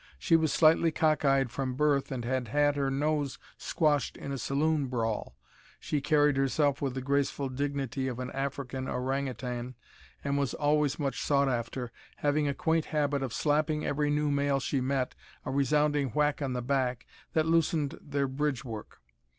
She was slightly cockeyed from birth and had had her nose squashed in a saloon brawl. She carried herself with the graceful dignity of an African orang utan and was always much sought after, having a quaint habit of slapping every new male she met a resounding whack on the back that loosened their bridge work.